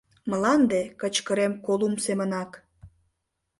— Мланде! — кычкырем Колумб семынак.